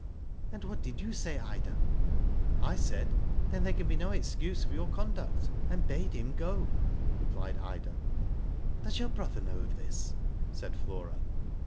'" "And what did you say, Ida?" " I said, * Then there can be no excuse for your conduct,' and bade him go," replied Ida. " Does your brother know of this ?" said Flora.